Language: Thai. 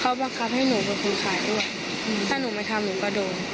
เขาบังคับให้หนูเป็นคนขายด้วยถ้าหนูไม่ทำหนูก็โดน